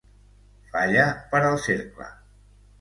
Falla per al cercle.